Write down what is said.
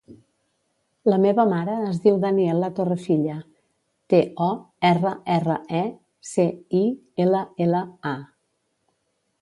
La meva mare es diu Daniella Torrecilla: te, o, erra, erra, e, ce, i, ela, ela, a.